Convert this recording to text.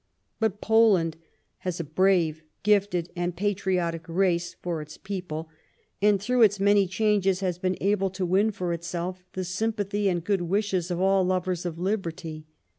But Poland has a brave, gifted, and patriotic race for its people, and through its many changes has been able to win for itself the sympathy and good wishes of all lovers of liberty.